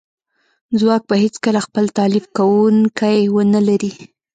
ځواک به هیڅکله خپل تالیف کونکی ونه لري